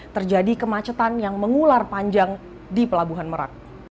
terjadi kemacetan yang mengular panjang di pelabuhan merak